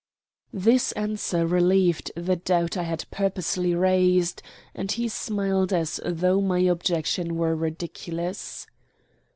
This answer relieved the doubt I had purposely raised, and he smiled as though my objection were ridiculous.